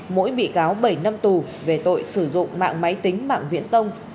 mỗi bị cáo bảy năm tù về tội sử dụng mạng máy tính mạng viễn thông